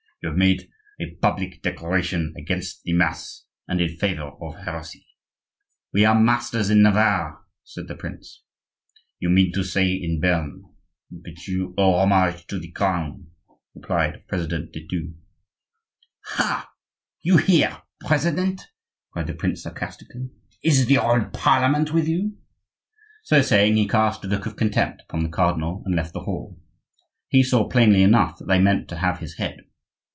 "You have made a public declaration against the Mass and in favor of heresy." "We are masters in Navarre," said the prince. "You mean to say in Bearn. But you owe homage to the Crown," replied President de Thou. "Ha! you here, president?" cried the prince, sarcastically. "Is the whole Parliament with you?" So saying, he cast a look of contempt upon the cardinal and left the hall. He saw plainly enough that they meant to have his head.